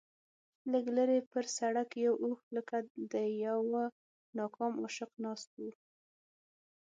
لږ لرې پر سړک یو اوښ لکه د یوه ناکام عاشق ناست و.